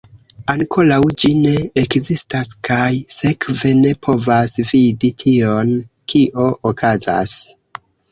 Ankoraŭ ĝi ne ekzistas kaj sekve, ne povas vidi tion kio okazas.